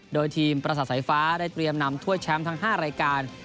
โดยทีมประสาทสายฟ้าได้เตรียมนำถ้วยแชมป์ทั้ง๕รายการ